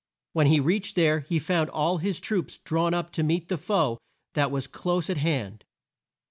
When he reached there he found all his troops drawn up to meet the foe that was close at hand.